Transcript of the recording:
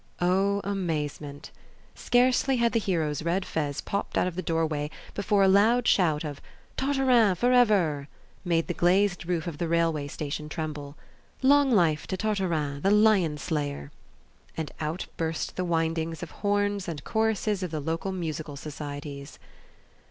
O amazement! Scarce had the hero's red fez popped out of the doorway before a loud shout of "Tartarin for ever!" made the glazed roof of the railway station tremble. "Long life to Tartarin, the lion slayer!" And out burst the windings of horns and the choruses of the local musical societies.